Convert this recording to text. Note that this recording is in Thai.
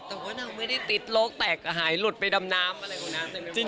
แต่ว่านางไม่ได้ติดโรคแตกหายหลุดไปดำน้ำอะไรตรงนั้น